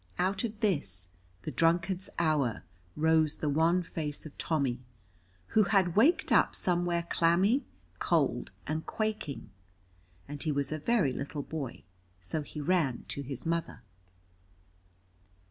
Out of this, the drunkard's hour, rose the wan face of Tommy, who had waked up somewhere clammy cold and quaking, and he was a very little boy, so he ran to his mother.